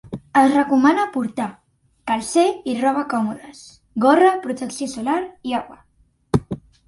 És recomana portar calcer i roba còmodes, gorra, protecció solar i aigua.